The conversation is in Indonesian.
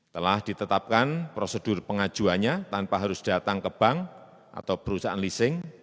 telah ditetapkan prosedur pengajuannya tanpa harus datang ke bank atau perusahaan leasing